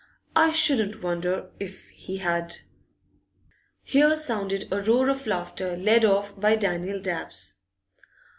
I shouldn't wonder if he had.' Here sounded a roar of laughter, led off by Daniel Dabbs.